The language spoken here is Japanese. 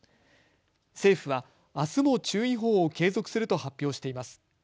政府はあすも注意報を継続すると発表しています。